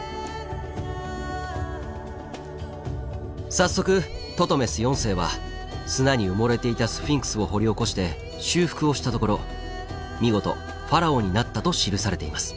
早速トトメス４世は砂に埋もれていたスフィンクスを掘り起こして修復をしたところ見事ファラオになったと記されています。